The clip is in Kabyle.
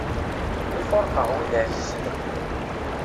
Mi fuṛqeɣ wid ɛzizen.